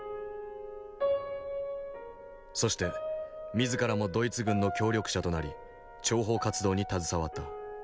そして自らもドイツ軍の協力者となり諜報活動に携わった。